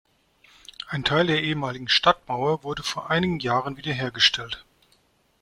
Ein Teil der ehemaligen Stadtmauer wurde vor einigen Jahren wiederhergestellt.